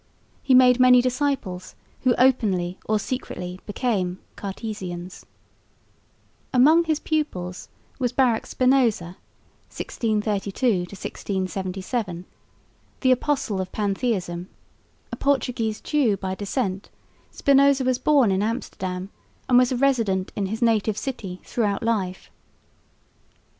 He made many disciples, who openly or secretly became "Cartesians." Among his pupils was Baruch Spinoza (1632 1677) the apostle of pantheism. A Portuguese Jew by descent, Spinoza was born in Amsterdam and was a resident in his native city throughout life.